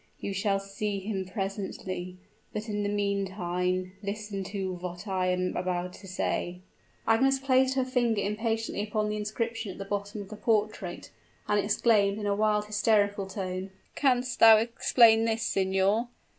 You shall see him presently; but in the meantime, listen to what I am about to say." Agnes placed her finger impatiently upon the inscription at the bottom of the portrait, and exclaimed in a wild, hysterical tone, "Canst thou explain this, signor?